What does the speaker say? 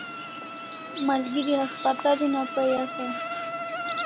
Malgeri haspatal una pai asaw